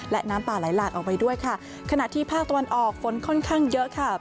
และน้ำป่าไหลหลากออกไปด้วยค่ะขณะที่ภาคตะวันออกฝนค่อนข้างเยอะค่ะ